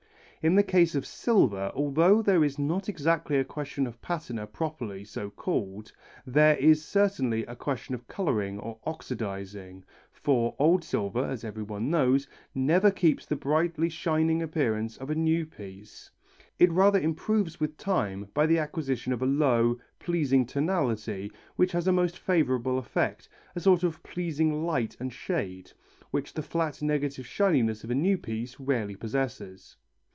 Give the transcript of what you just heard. In the case of silver, although there is not exactly a question of patina properly so called, there is certainly a question of colouring or oxidizing, for old silver, as everyone knows, never keeps the brightly shining appearance of a new piece. It rather improves with time by the acquisition of a low, pleasing tonality which has a most favourable effect, a sort of pleasing light and shade, which the flat negative shininess of a new piece rarely possesses.